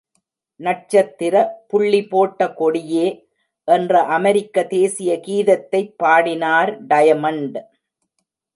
நட்சத்திர புள்ளி போட்ட கொடியே என்ற அமெரிக்க தேசீய கீதத்தைப் பாடினார் டயமண்ட்.